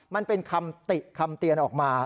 มันเป็นคำติคำเตือนออกมา